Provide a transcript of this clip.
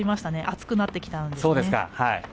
暑くなってきたんですね。